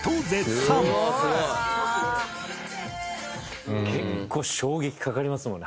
「探し求めて」結構衝撃かかりますもんね。